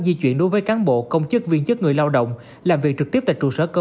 di chuyển đối với cán bộ công chức viên chức người lao động làm việc trực tiếp tại trụ sở cơ